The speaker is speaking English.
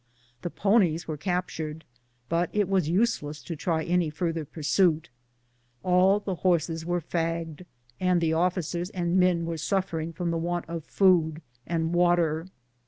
The ponies were captured, but it was useless to try any further pursuit. All the horses were fagged, and the officers and men suffering from the want of food and water.